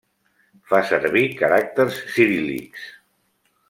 Fa servir caràcters ciríl·lics.